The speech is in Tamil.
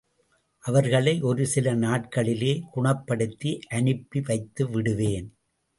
அவர்களை ஒரு சில நாட்களிலே குணப்படுத்தி அனுப்பிவைத்து விடுவேன்.